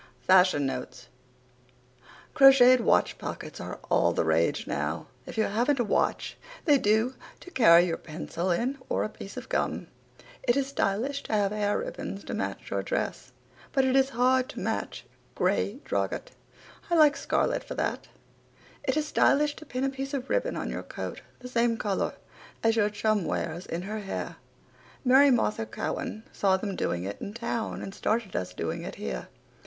FASHION NOTES Crocheted watch pockets are all the rage now. If you haven't a watch they do to carry your pencil in or a piece of gum. It is stylish to have hair ribbons to match your dress. But it is hard to match gray drugget. I like scarlet for that. It is stylish to pin a piece of ribbon on your coat the same colour as your chum wears in her hair. Mary Martha Cowan saw them doing it in town and started us doing it here.